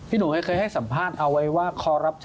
พี่หนูเคยให้สัมภาษณ์เอาไว้ว่า